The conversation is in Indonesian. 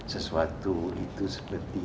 sesuatu itu seperti